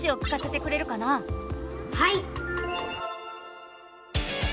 はい！